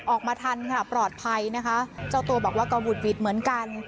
ออกมาทันค่ะปลอดภัยนะคะเจ้าตัวบอกว่าก็วุดหวิดเหมือนกัน